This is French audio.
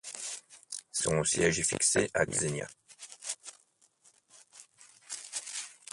Son siège est fixé à Xenia.